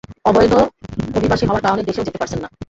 অবৈধ অভিবাসী হওয়ার কারণে দেশেও যেতে পারছেন না ।